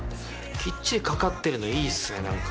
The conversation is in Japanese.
きっちりかかってるのいいっすね何か。